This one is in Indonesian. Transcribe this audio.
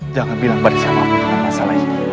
jangan bilang pada siapapun tentang masalah ini